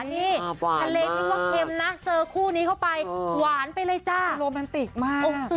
นี่ทะเลนึกว่าเค็มนะเจอคู่นี้เข้าไปหวานไปเลยจ้าโรแมนติกมาก